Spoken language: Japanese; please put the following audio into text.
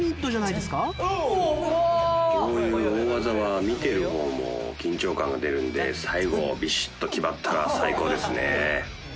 こういう大技は見てる方も緊張感が出るんで最後ビシッと決まったら最高ですね。